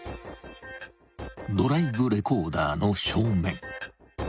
［ドライブレコーダーの正面］